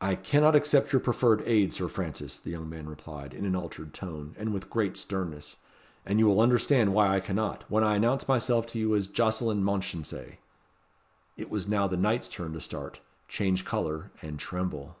"I cannot accept your proffered aid, Sir Francis," the young man replied, in an altered tone, and with great sternness. "And you will understand why I cannot, when I announce myself to you as Jocelyn Mounchensey." It was now the knight's turn to start, change colour, and tremble.